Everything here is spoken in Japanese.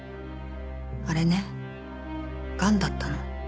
あれねがんだったの。